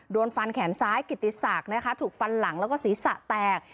โดนฟันแขนซ้ายกิติศักดิ์นะคะถูกฟันหลังแล้วก็ศีรษะแตก